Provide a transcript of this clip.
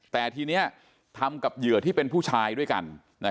แต่ทีนี้ทำกับเหยื่อที่เป็นผู้ชายด้วยกัน